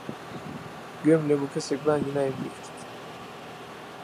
گوێم لێ بوو کەسێک بانگی ناوی منی کرد.